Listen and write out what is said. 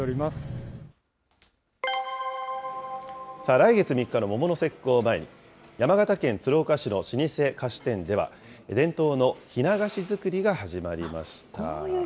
来月３日の桃の節句を前に、山形県鶴岡市の老舗菓子店では、伝統のひな菓子作りが始まりました。